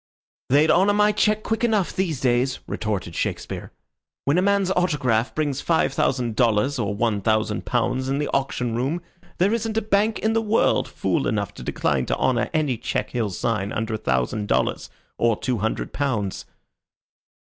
"They'd honor my check quick enough these days," retorted Shakespeare. "When a man's autograph brings five thousand dollars, or one thousand pounds, in the auction room, there isn't a bank in the world fool enough to decline to honor any check he'll sign under a thousand dollars, or two hundred pounds."